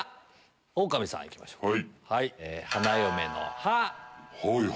オオカミさん行きましょうか。